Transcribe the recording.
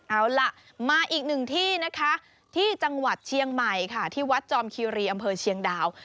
เอาล่ะมาอีกหนึ่งที่นะคะที่จังหวัดเชียงใหม่ค่ะที่วัดจอมคีรีอำเภอเชียงดาว